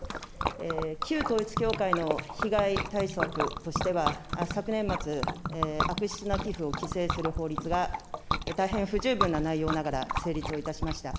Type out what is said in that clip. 旧統一教会の被害対策としては、昨年末、悪質な寄付を規制する法律が、大変不十分な内容ながら成立をいたしました。